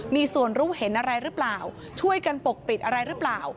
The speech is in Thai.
มีส่วนรู้เห็นอะไรหรือเปล่าช่วยกันปกปิดอะไรหรือเปล่า